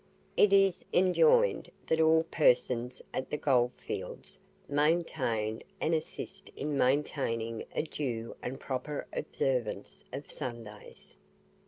It is enjoined that all Persons at the Gold Fields maintain and assist in maintaining a due and proper observance of Sundays.